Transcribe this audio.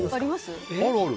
ある、ある。